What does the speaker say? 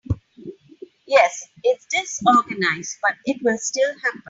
Yes, it’s disorganized but it will still happen.